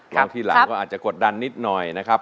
ร้องทีหลังก็อาจจะกดดันนิดหน่อยนะครับ